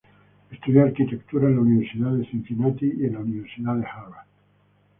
Estudió arquitectura en la Universidad de Cincinnati y en la Universidad Harvard.